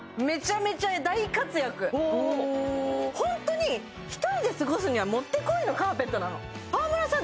ホントに１人で過ごすにはもってこいのカーペットなの川村さん